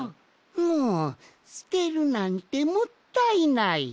もうすてるなんてもったいない。